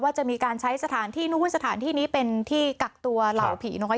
จะมีการใช้สถานที่นู่นสถานที่นี้เป็นที่กักตัวเหล่าผีน้อย